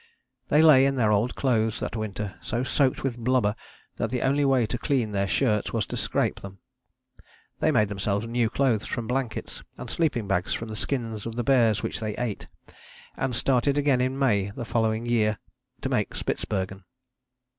They lay in their old clothes that winter, so soaked with blubber that the only way to clean their shirts was to scrape them. They made themselves new clothes from blankets, and sleeping bags from the skins of the bears which they ate, and started again in May of the following year to make Spitzbergen.